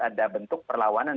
ada bentuk perlawanan